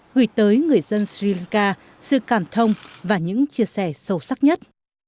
gửi tới người dân sri lanka sự cảm thông và những chia sẻ sâu sắc nhất